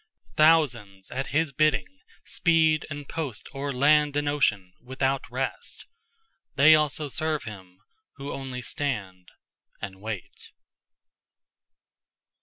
Thousands at his bidding speed And post o're Land and Ocean without rest: They also serve who only stand and waite.